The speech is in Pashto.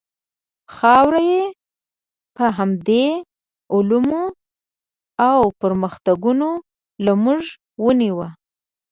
خاورې یې په همدې علومو او پرمختګونو له موږ ونیوې.